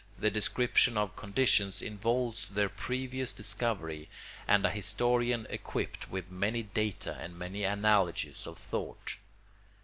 The description of conditions involves their previous discovery and a historian equipped with many data and many analogies of thought.